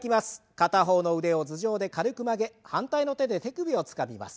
片方の腕を頭上で軽く曲げ反対の手で手首をつかみます。